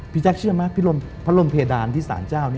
แจ๊คเชื่อไหมพัดลมเพดานที่สารเจ้า